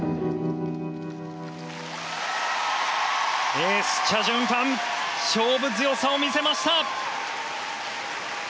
エース、チャ・ジュンファン勝負強さを見せました！